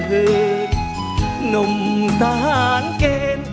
หนุ่มทหารเกณฑ์